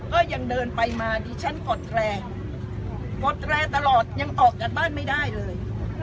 ก็ยังเดินไปมาดิฉันกดแรงกดแรงตลอดยังออกจากบ้านไม่ได้เลย